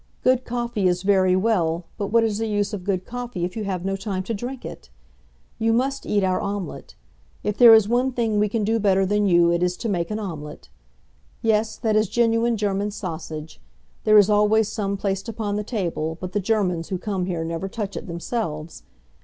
Good coffee is very well, but what is the use of good coffee if you have no time to drink it? You must eat our omelette. If there is one thing we can do better than you it is to make an omelette. Yes, that is genuine German sausage. There is always some placed upon the table, but the Germans who come here never touch it themselves.